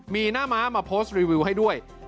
มีหน้าม้ามาโพสต์รีวิวให้ด้วย